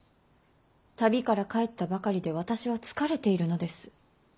旅から帰ったばかりで私は疲れているのです。